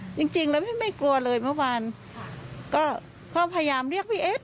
จริงจริงแล้วพี่ไม่กลัวเลยเมื่อวานก็พ่อพยายามเรียกพี่เอส